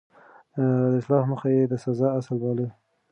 د اصلاح موخه يې د سزا اصل باله.